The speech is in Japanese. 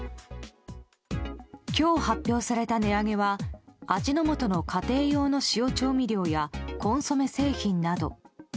今日発表された値上げは味の素の家庭用の塩調味料やコンソメ製品など。